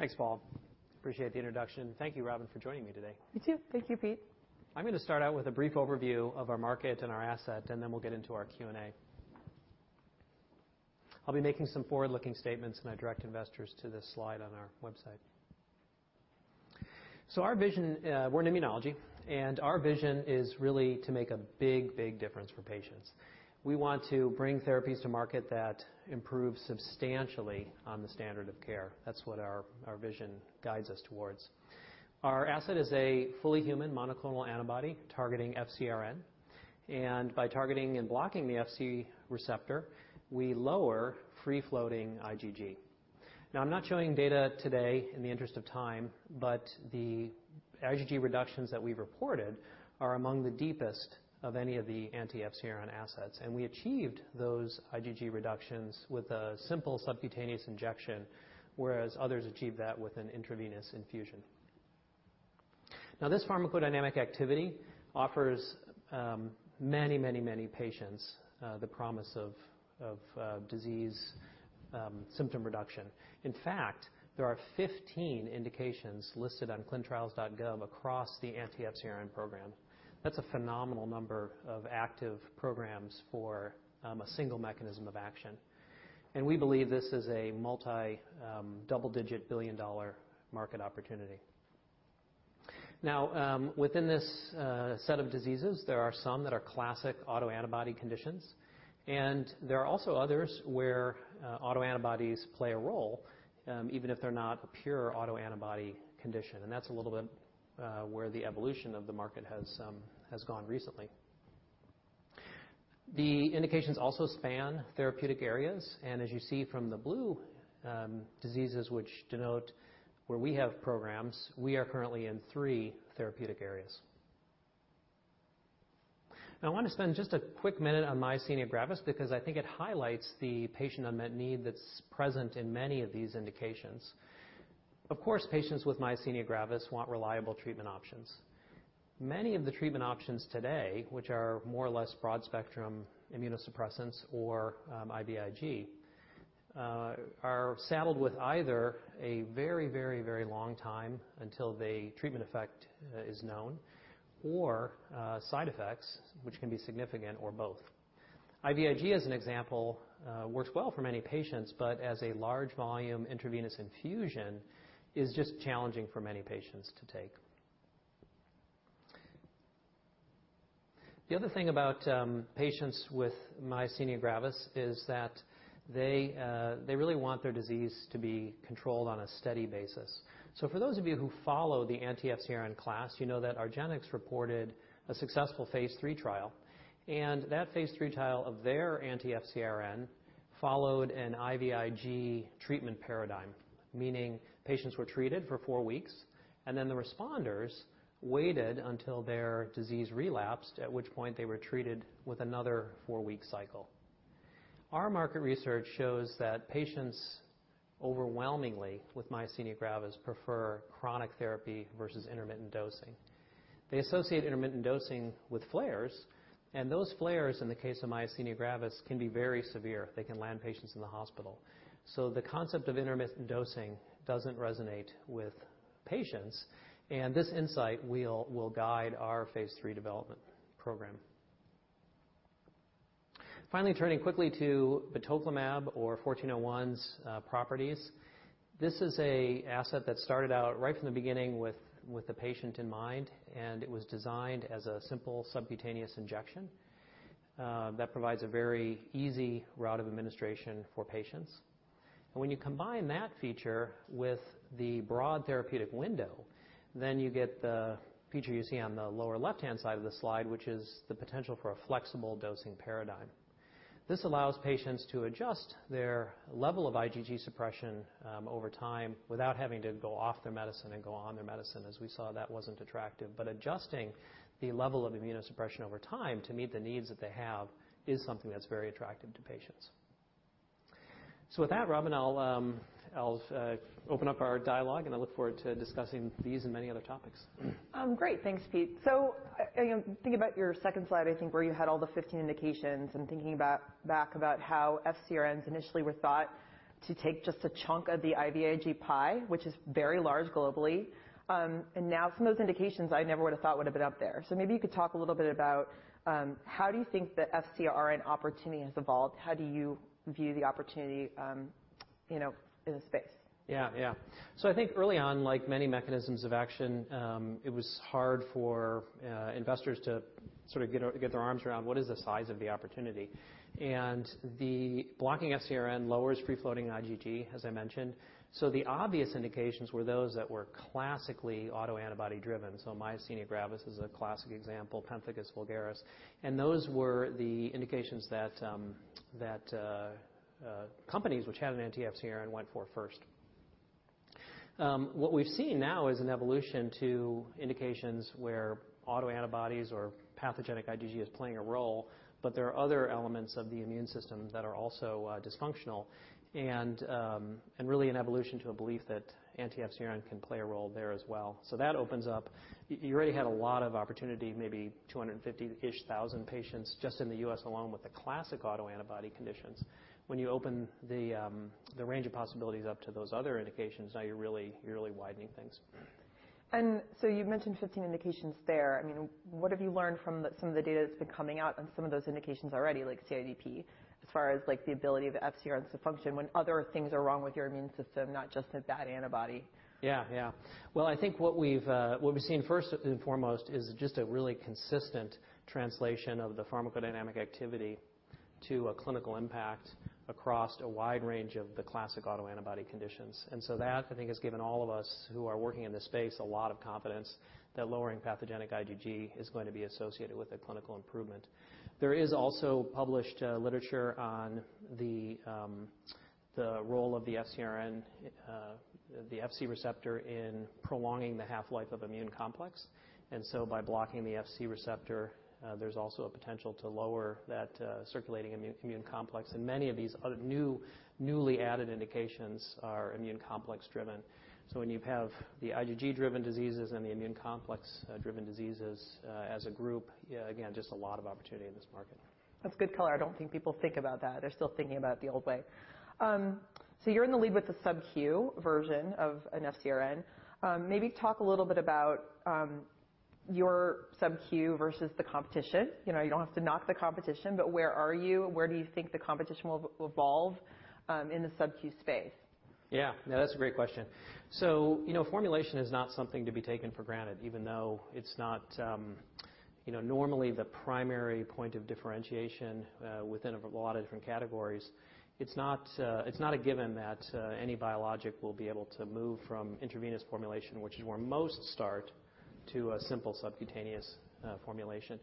Thanks, Paul. Appreciate the introduction. Thank you, Robyn, for joining me today. You too. Thank you, Pete. I'm going to start out with a brief overview of our market and our asset, and then we'll get into our Q&A. I'll be making some forward-looking statements, and I direct investors to this slide on our website. Our vision, we're in immunology, and our vision is really to make a big difference for patients. We want to bring therapies to market that improve substantially on the standard of care. That's what our vision guides us towards. Our asset is a fully human monoclonal antibody targeting FcRn, and by targeting and blocking the Fc receptor, we lower free-floating IgG. I'm not showing data today in the interest of time, but the IgG reductions that we've reported are among the deepest of any of the anti-FcRn assets. We achieved those IgG reductions with a simple subcutaneous injection, whereas others achieved that with an intravenous infusion. This pharmacodynamic activity offers many patients the promise of disease symptom reduction. In fact, there are 15 indications listed on ClinicalTrials.gov across the anti-FcRn program. That's a phenomenal number of active programs for a single mechanism of action, and we believe this is a multi double-digit billion-dollar market opportunity. Within this set of diseases, there are some that are classic autoantibody conditions, and there are also others where autoantibodies play a role, even if they're not a pure autoantibody condition. That's a little bit where the evolution of the market has gone recently. The indications also span therapeutic areas, and as you see from the blue diseases, which denote where we have programs, we are currently in three therapeutic areas. Now, I want to spend just a quick minute on myasthenia gravis because I think it highlights the patient unmet need that's present in many of these indications. Of course, patients with myasthenia gravis want reliable treatment options. Many of the treatment options today, which are more or less broad-spectrum immunosuppressants or IVIG, are saddled with either a very long time until the treatment effect is known or side effects which can be significant, or both. IVIG, as an example, works well for many patients, but as a large volume intravenous infusion is just challenging for many patients to take. The other thing about patients with myasthenia gravis is that they really want their disease to be controlled on a steady basis. For those of you who follow the anti-FcRn class, you know that argenx reported a successful phase III trial, and that phase III trial of their anti-FcRn followed an IVIG treatment paradigm, meaning patients were treated for four weeks, and then the responders waited until their disease relapsed, at which point they were treated with another four-week cycle. Our market research shows that patients overwhelmingly with myasthenia gravis prefer chronic therapy versus intermittent dosing. They associate intermittent dosing with flares, and those flares, in the case of myasthenia gravis, can be very severe. They can land patients in the hospital. The concept of intermittent dosing doesn't resonate with patients, and this insight will guide our phase III development program. Finally, turning quickly to batoclimab or 1401's properties. This is an asset that started out right from the beginning with the patient in mind. It was designed as a simple subcutaneous injection that provides a very easy route of administration for patients. When you combine that feature with the broad therapeutic window, you get the feature you see on the lower left-hand side of the slide, which is the potential for a flexible dosing paradigm. This allows patients to adjust their level of IgG suppression over time without having to go off their medicine and go on their medicine. As we saw, that wasn't attractive. Adjusting the level of immunosuppression over time to meet the needs that they have is something that's very attractive to patients. With that, Robyn, I'll open up our dialogue. I look forward to discussing these and many other topics. Great. Thanks, Pete. Thinking about your second slide, I think where you had all the 15 indications and thinking back about how FcRn initially were thought to take just a chunk of the IVIG pie, which is very large globally. Now some of those indications I never would've thought would've been up there. Maybe you could talk a little bit about how do you think the FcRn opportunity has evolved. How do you view the opportunity in the space? I think early on, like many mechanisms of action, it was hard for investors to sort of get their arms around what is the size of the opportunity, and the blocking FcRn lowers free-floating IgG, as I mentioned. The obvious indications were those that were classically autoantibody-driven. Myasthenia gravis is a classic example, pemphigus vulgaris, and those were the indications that companies which had an anti-FcRn went for first. What we've seen now is an evolution to indications where autoantibodies or pathogenic IgG is playing a role, but there are other elements of the immune system that are also dysfunctional and really an evolution to a belief that anti-FcRn can play a role there as well. You already had a lot of opportunity, maybe 250,000-ish patients just in the U.S. alone with the classic autoantibody conditions. When you open the range of possibilities up to those other indications, now you're really widening things. You've mentioned 15 indications there. What have you learned from some of the data that's been coming out on some of those indications already, like CIDP, as far as the ability of FcRns to function when other things are wrong with your immune system, not just a bad antibody? Well, I think what we've seen first and foremost is just a really consistent translation of the pharmacodynamic activity to a clinical impact across a wide range of the classic autoantibody conditions. That, I think, has given all of us who are working in this space a lot of confidence that lowering pathogenic IgG is going to be associated with a clinical improvement. There is also published literature on the role of the FcRn, the Fc receptor in prolonging the half-life of immune complex. By blocking the Fc receptor, there's also a potential to lower that circulating immune complex. Many of these newly added indications are immune complex driven. When you have the IgG-driven diseases and the immune complex-driven diseases as a group, again, just a lot of opportunity in this market. That's a good color. I don't think people think about that. They're still thinking about it the old way. You're in the lead with the Sub-Q version of an FcRn. Maybe talk a little bit about your Sub-Q versus the competition. You don't have to knock the competition, but where are you? Where do you think the competition will evolve in the Sub-Q space? No, that's a great question. Formulation is not something to be taken for granted, even though it's not normally the primary point of differentiation within a lot of different categories. It's not a given that any biologic will be able to move from intravenous formulation, which is where most start, to a simple subcutaneous formulation.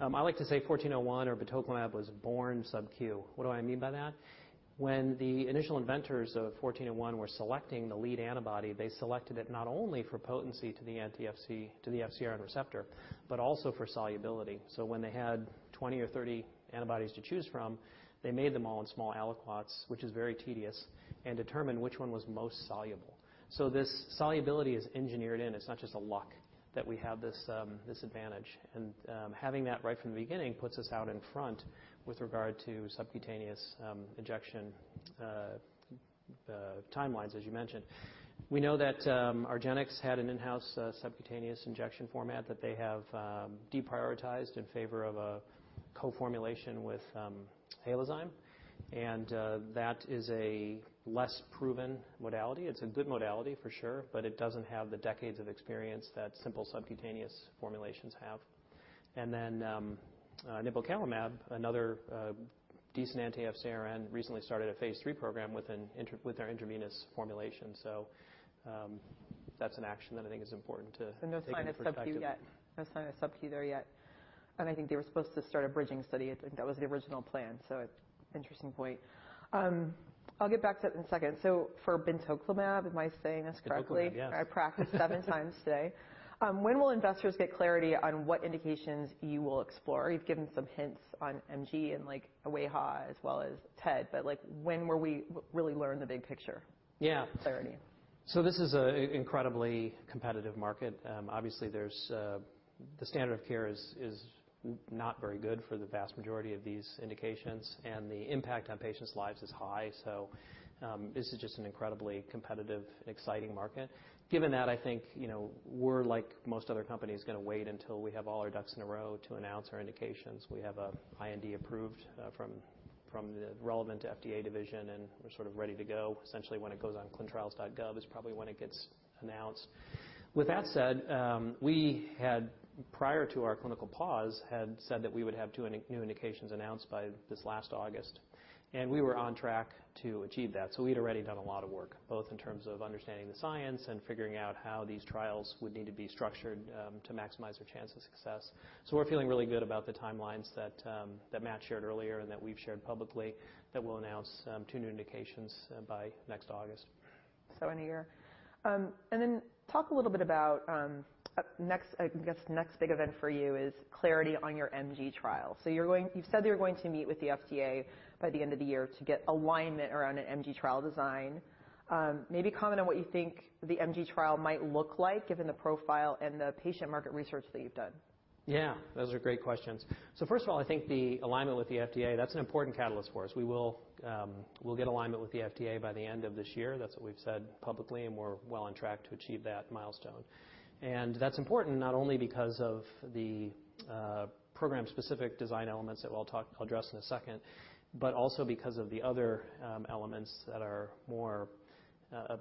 I like to say IMVT-1401 or batoclimab was born Sub-Q. What do I mean by that? When the initial inventors of IMVT-1401 were selecting the lead antibody, they selected it not only for potency to the anti Fc, to the FcRn receptor, but also for solubility. When they had 20 or 30 antibodies to choose from, they made them all in small aliquots, which is very tedious, and determined which one was most soluble. This solubility is engineered in. It's not just luck that we have this advantage. Having that right from the beginning puts us out in front with regard to subcutaneous injection timelines, as you mentioned. We know that argenx had an in-house subcutaneous injection format that they have deprioritized in favor of a co-formulation with Halozyme, and that is a less proven modality. It's a good modality for sure, but it doesn't have the decades of experience that simple subcutaneous formulations have. Nipocalimab, another decent anti-FcRn, recently started a phase III program with our intravenous formulation. That's an action that I think is important to take into perspective- No sign of Sub-Q yet. No sign of Sub-Q there yet. I think they were supposed to start a bridging study. I think that was the original plan, so interesting point. I'll get back to it in a second. For batoclimab, am I saying this correctly? Batoclimab, yes. I practiced seven times today. When will investors get clarity on what indications you will explore? You've given some hints on MG and like wAIHA as well as TED, when will we really learn the big picture? Yeah. Clarity. This is an incredibly competitive market. Obviously, the standard of care is not very good for the vast majority of these indications, and the impact on patients' lives is high. This is just an incredibly competitive and exciting market. Given that, I think we're like most other companies, going to wait until we have all our ducks in a row to announce our indications. We have IND approved from the relevant FDA division, and we're sort of ready to go. Essentially when it goes on ClinicalTrials.gov is probably when it gets announced. With that said, we, prior to our clinical pause, had said that we would have two new indications announced by this last August, and we were on track to achieve that. We'd already done a lot of work, both in terms of understanding the science and figuring out how these trials would need to be structured to maximize their chance of success. We're feeling really good about the timelines that Matt shared earlier and that we've shared publicly that we'll announce two new indications by next August. In a year. Then talk a little bit about next, I guess next big event for you is clarity on your MG trial. You've said that you're going to meet with the FDA by the end of the year to get alignment around an MG trial design. Maybe comment on what you think the MG trial might look like given the profile and the patient market research that you've done. Yeah, those are great questions. First of all, I think the alignment with the FDA, that's an important catalyst for us. We'll get alignment with the FDA by the end of this year. That's what we've said publicly, and we're well on track to achieve that milestone. That's important not only because of the program-specific design elements that I'll address in a second, but also because of the other elements that are more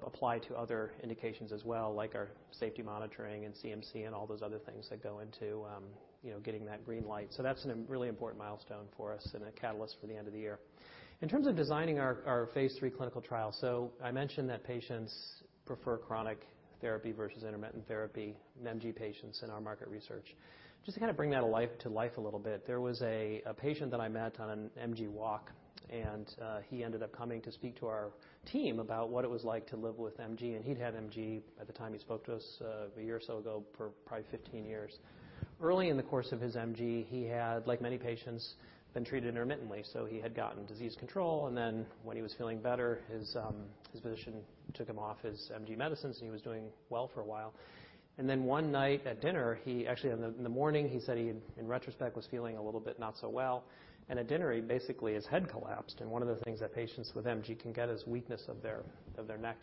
applied to other indications as well, like our safety monitoring and CMC and all those other things that go into getting that green light. That's a really important milestone for us and a catalyst for the end of the year. In terms of designing our phase III clinical trial, so I mentioned that patients prefer chronic therapy versus intermittent therapy in MG patients in our market research. Just to kind of bring that to life a little bit, there was a patient that I met on an MG walk. He ended up coming to speak to our team about what it was like to live with MG. He'd had MG at the time he spoke to us a year or so ago for probably 15 years. Early in the course of his MG, he had, like many patients, been treated intermittently. He had gotten disease control, and then when he was feeling better, his physician took him off his MG medicines, and he was doing well for a while. One night at dinner, he actually In the morning, he said he, in retrospect, was feeling a little bit not so well. At dinner, he basically, his head collapsed. One of the things that patients with MG can get is weakness of their neck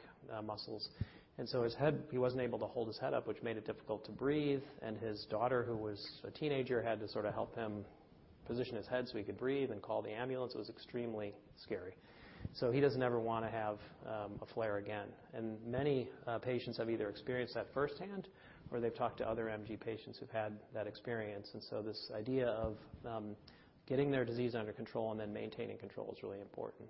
muscles. His head, he wasn't able to hold his head up, which made it difficult to breathe. His daughter, who was a teenager, had to sort of help him position his head so he could breathe and call the ambulance. It was extremely scary. He doesn't ever want to have a flare again. Many patients have either experienced that firsthand or they've talked to other MG patients who've had that experience. This idea of getting their disease under control and then maintaining control is really important.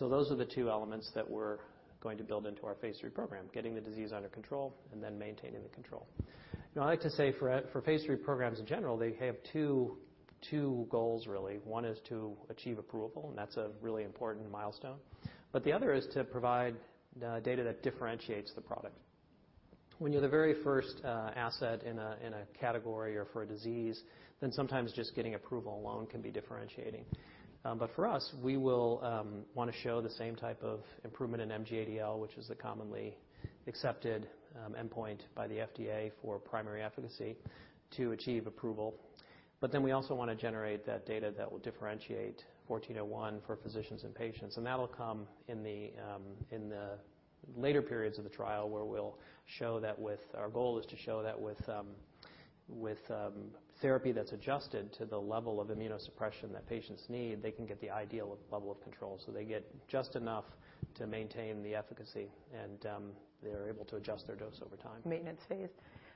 Those are the two elements that we're going to build into our phase III program, getting the disease under control and then maintaining the control. Now I like to say for phase III programs in general, they have two goals, really. One is to achieve approval, and that's a really important milestone. The other is to provide data that differentiates the product. When you're the very first asset in a category or for a disease, then sometimes just getting approval alone can be differentiating. For us, we will want to show the same type of improvement in MG-ADL, which is the commonly accepted endpoint by the FDA for primary efficacy to achieve approval. Then we also want to generate that data that will differentiate IMVT-1401 for physicians and patients. That'll come in the later periods of the trial, where our goal is to show that with therapy that's adjusted to the level of immunosuppression that patients need, they can get the ideal level of control. They get just enough to maintain the efficacy, and they're able to adjust their dose over time. Maintenance phase.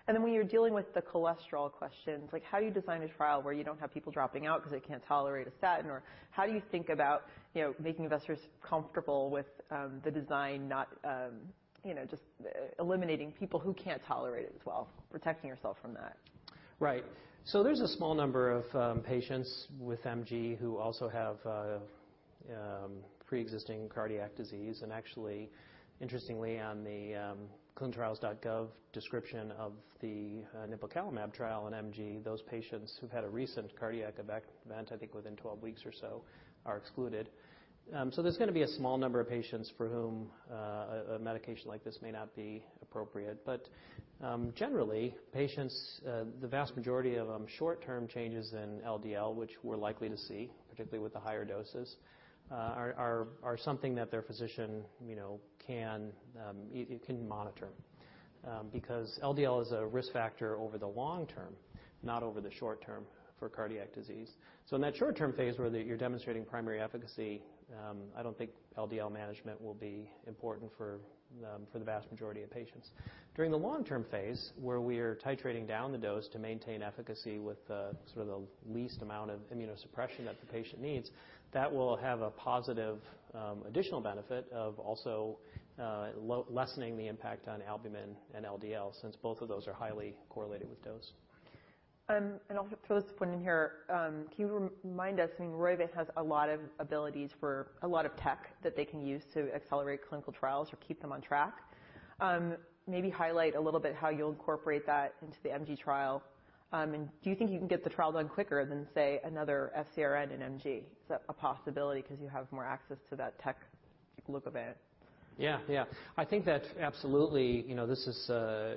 When you're dealing with the cholesterol questions, how do you design a trial where you don't have people dropping out because they can't tolerate a statin or how do you think about making investors comfortable with the design, not just eliminating people who can't tolerate it as well, protecting yourself from that? Right. There's a small number of patients with MG who also have preexisting cardiac disease, and actually, interestingly on the ClinicalTrials.gov description of the nipocalimab trial in MG, those patients who've had a recent cardiac event, I think within 12 weeks or so, are excluded. Generally, patients, the vast majority of them, short-term changes in LDL, which we're likely to see, particularly with the higher doses, are something that their physician can monitor because LDL is a risk factor over the long term, not over the short term for cardiac disease. In that short-term phase where you're demonstrating primary efficacy, I don't think LDL management will be important for the vast majority of patients. During the long-term phase, where we are titrating down the dose to maintain efficacy with the least amount of immunosuppression that the patient needs, that will have a positive additional benefit of also lessening the impact on albumin and LDL since both of those are highly correlated with dose. I'll throw this one in here. Can you remind us, I mean, Roivant has a lot of abilities for a lot of tech that they can use to accelerate clinical trials or keep them on track. Maybe highlight a little bit how you'll incorporate that into the MG trial, and do you think you can get the trial done quicker than, say, another FcRn in MG? Is that a possibility because you have more access to that tech Lokavant? Yeah. I think that absolutely, this is a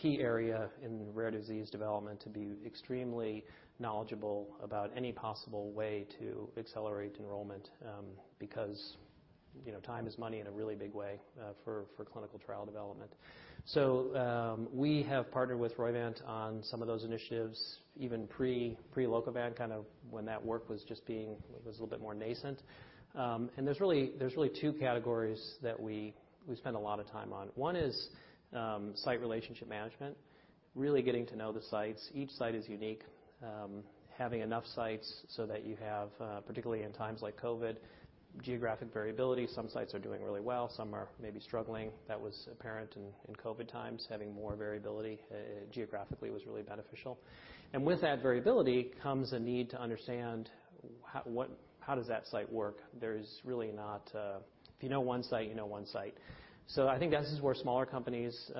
key area in rare disease development to be extremely knowledgeable about any possible way to accelerate enrollment because time is money in a really big way for clinical trial development. We have partnered with Roivant on some of those initiatives, even pre-Lokavant, kind of when that work was a little bit more nascent. There's really two categories that we spend a lot of time on. One is site relationship management, really getting to know the sites. Each site is unique. Having enough sites so that you have, particularly in times like COVID, geographic variability. Some sites are doing really well, some are maybe struggling. That was apparent in COVID times. Having more variability geographically was really beneficial. With that variability comes a need to understand how does that site work. If you know one site, you know one site. I think this is where smaller companies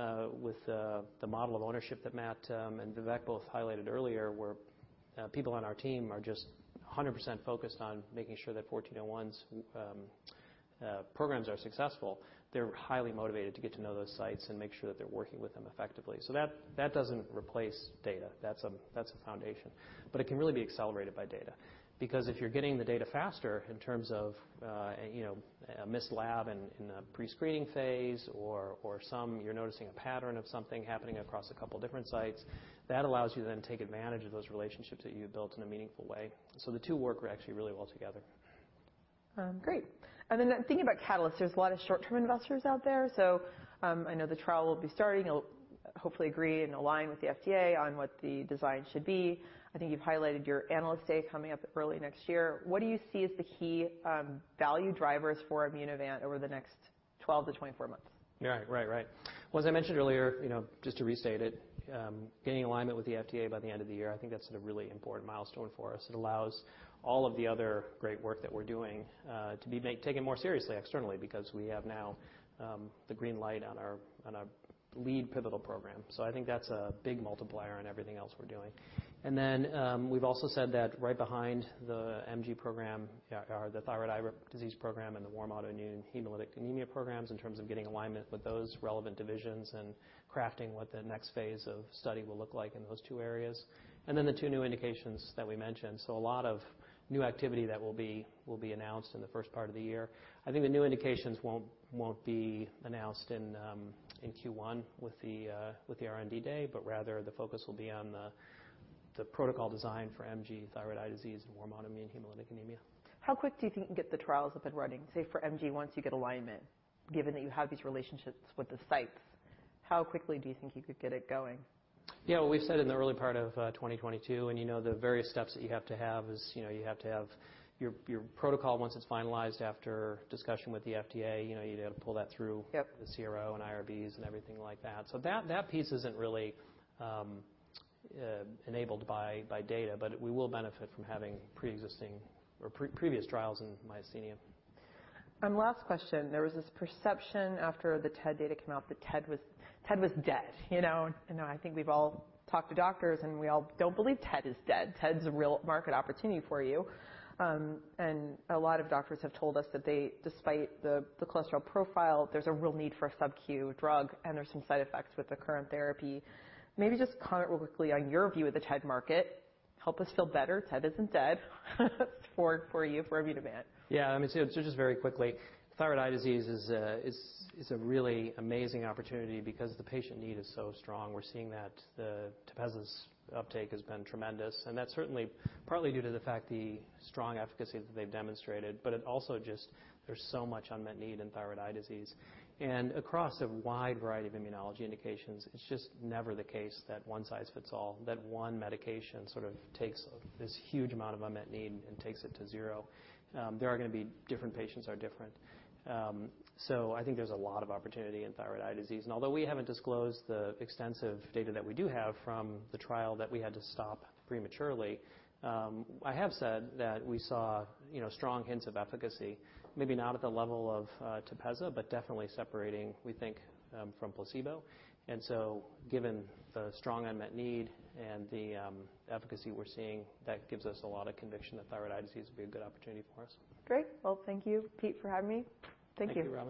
with the model of ownership that Matt and Vivek both highlighted earlier, where people on our team are just 100% focused on making sure that IMVT-1401's programs are successful. They're highly motivated to get to know those sites and make sure that they're working with them effectively. That doesn't replace data. That's a foundation. It can really be accelerated by data because if you're getting the data faster in terms of a missed lab in a pre-screening phase or you're noticing a pattern of something happening across a couple different sites, that allows you to then take advantage of those relationships that you've built in a meaningful way. The two work actually really well together. Great. Thinking about catalysts, there's a lot of short-term investors out there. I know the trial will be starting. You'll hopefully agree and align with the FDA on what the design should be. I think you've highlighted your Analyst Day coming up early next year. What do you see as the key value drivers for Immunovant over the next 12 to 24 months? Right. Well, as I mentioned earlier, just to restate it, getting alignment with the FDA by the end of the year, I think that's a really important milestone for us. It allows all of the other great work that we're doing to be taken more seriously externally because we have now the green light on our lead pivotal program. I think that's a big multiplier on everything else we're doing. We've also said that right behind the MG program are the thyroid eye disease program and the warm autoimmune hemolytic anemia programs in terms of getting alignment with those relevant divisions and crafting what the next phase of study will look like in those two areas, and then the two new indications that we mentioned. A lot of new activity that will be announced in the first part of the year. I think the new indications won't be announced in Q1 with the R&D Day, but rather the focus will be on the protocol design for MG, thyroid eye disease, and warm autoimmune hemolytic anemia. How quick do you think you can get the trials up and running, say for MG once you get alignment, given that you have these relationships with the sites? How quickly do you think you could get it going? Yeah. Well, we've said in the early part of 2022, you know the various steps that you have to have is you have to have your protocol once it's finalized after discussion with the FDA, you know you'd have to pull that through. Yep. The CRO and IRBs and everything like that. That piece isn't really enabled by data, but we will benefit from having preexisting or previous trials in myasthenia. Last question, there was this perception after the TED data came out that TED was dead. I think we've all talked to doctors, and we all don't believe TED is dead. TED's a real market opportunity for you. A lot of doctors have told us that despite the cholesterol profile, there's a real need for a Sub-Q drug, and there's some side effects with the current therapy. Maybe just comment real quickly on your view of the TED market. Help us feel better, TED isn't dead for you, for Immunovant. Just very quickly, thyroid eye disease is a really amazing opportunity because the patient need is so strong. We're seeing that the TEPEZZA®'s uptake has been tremendous, and that's certainly partly due to the fact the strong efficacy that they've demonstrated, but it also just there's so much unmet need in thyroid eye disease. Across a wide variety of immunology indications, it's just never the case that one size fits all, that one medication sort of takes this huge amount of unmet need and takes it to zero. There are going to be different patients are different. I think there's a lot of opportunity in thyroid eye disease. Although we haven't disclosed the extensive data that we do have from the trial that we had to stop prematurely, I have said that we saw strong hints of efficacy, maybe not at the level of TEPEZZA®, but definitely separating, we think, from placebo. Given the strong unmet need and the efficacy we're seeing, that gives us a lot of conviction that thyroid eye disease will be a good opportunity for us. Great. Well, thank you, Pete, for having me. Thank you. Thank you, Robyn.